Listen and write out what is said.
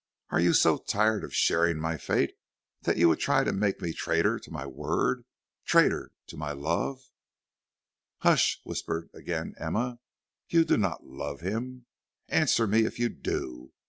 Are you so tired of sharing my fate that you would try to make me traitor to my word, traitor to my love " "Hush," whispered again Emma, "you do not love him. Answer me, if you do.